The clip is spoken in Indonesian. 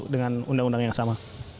dengan undang undang yang sama